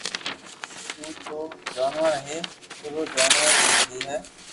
تو تو جونور ھي پرو رو پورو جونور ھي